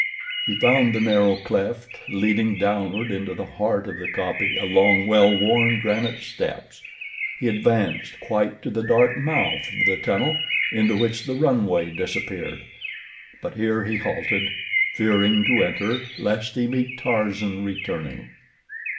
He found the narrow cleft leading downward into the heart of the kopje along well worn, granite steps. He advanced quite to the dark mouth of the tunnel into which the runway disappeared; but here he halted, fearing to enter, lest he meet Tarzan returning.